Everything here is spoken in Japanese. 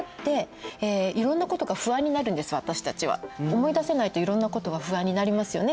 思い出せないといろんなことが不安になりますよね